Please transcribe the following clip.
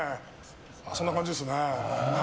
そんな感じですね。